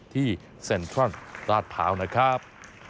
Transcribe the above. ที่เซ็นทรอนด์ราชเผานะครับ